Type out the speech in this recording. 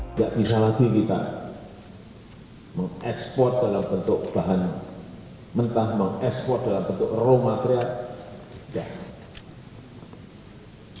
tidak bisa lagi kita mengekspor dalam bentuk bahan mentah mengekspor dalam bentuk raw material